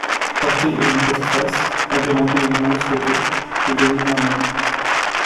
Porter et une postface, agrémentée de nombreuses photos, de Daniel Herman.